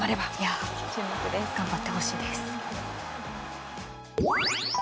頑張ってほしいです。